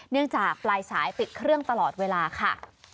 เนื่องจากปลายสายปิดเครื่องตลอดเวลาค่ะ